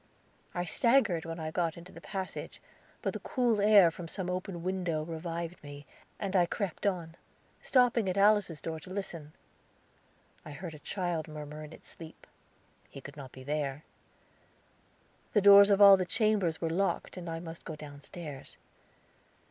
I staggered when I got into the passage, but the cool air from some open window revived me, and I crept on, stopping at Alice's door to listen. I heard a child murmur in its sleep. He could not be there. The doors of all the chambers were locked, and I must go downstairs.